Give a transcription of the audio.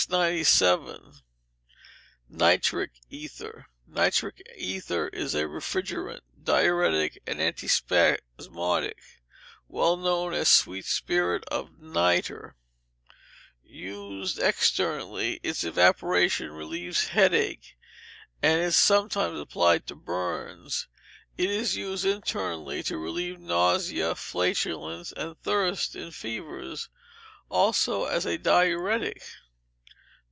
Nitric Ether Nitric Ether is a refrigerant, diuretic, and antispasmodic, well known as "sweet spirit of nitre." Used externally, its evaporation relieves headache, and it is sometimes applied to burns. It is used internally to relieve nausea, flatulence, and thirst in fevers; also as a diuretic.